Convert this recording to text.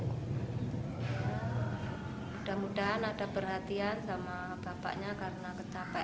mudah mudahan ada perhatian sama bapaknya karena kecape